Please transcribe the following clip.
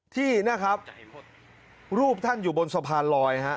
ที่นะครับรูปท่านอยู่บนสะพานลอยฮะ